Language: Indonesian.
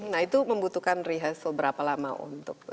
nah itu membutuhkan rehearsal berapa lama untuk siapkan